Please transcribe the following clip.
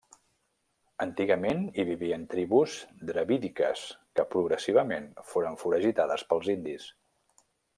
Antigament hi vivien tribus dravídiques que progressivament foren foragitades pels indis.